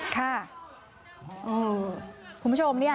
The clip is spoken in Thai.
คุณผู้ชมเนี่ย